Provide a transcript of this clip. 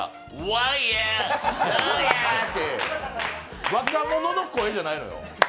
ワイヤー、オーヤーって、若者の声じゃないのよ。